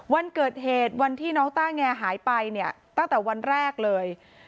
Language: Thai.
วันเกิดเหตุวันที่น้องต้าแงหายไปเนี่ยตั้งแต่วันแรกเลย